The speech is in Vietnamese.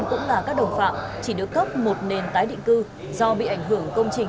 cũng là các đồng phạm chỉ được cấp một nền tái định cư do bị ảnh hưởng công trình